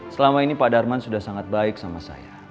selama ini pak darman sudah sangat baik sama saya